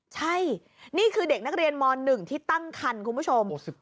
ใช่นี่คือเด็กนักเรียนม๑ที่ตั้งคันคุณผู้ชม